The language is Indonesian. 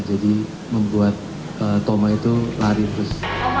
jadi membuat thomas itu lari terus